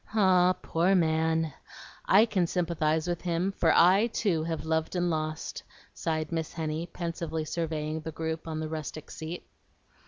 Ah, poor man! I can sympathize with him, for I too have loved and lost," sighed Miss Henny, pensively surveying the group on the rustic seat.